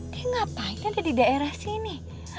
dia ngapain dia di daerah sini